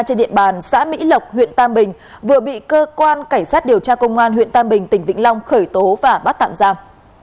trên địa bàn xã mỹ lộc huyện tam bình vừa bị cơ quan cảnh sát điều tra công an huyện tam bình tỉnh vĩnh long khởi tố và bắt tạm giam